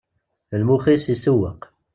Lmex-is isewweq.